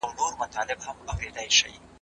نړيوالې اړيکې په سياستپوهنه کي څه ځای لري؟